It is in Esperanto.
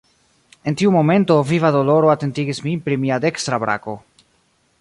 En tiu momento, viva doloro atentigis min pri mia dekstra brako.